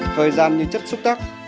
thời gian như chất xúc tắc